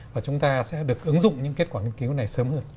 và chúng ta sẽ được ứng dụng những kết quả nghiên cứu này sớm hơn